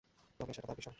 তবে সেটা তার বিষয়।